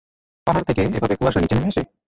পাহাড় থেকে এভাবে কুয়াশা নিচে নেমে আসে?